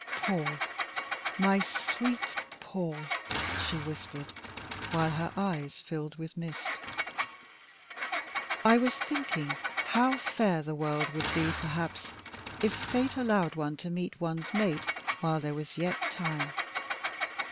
"Paul, my sweet Paul," she whispered, while her eyes filled with mist, "I was thinking how fair the world could be, perhaps, if fate allowed one to meet one's mate while there was yet time.